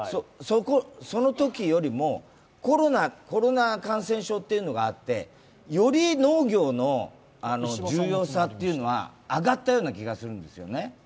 そのときよりも、コロナ感染症というのがあって、より農業の重要さっていうのは上がったような気がするんですね。